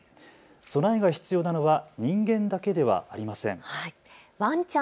備えが必要なのは人間だけではありません。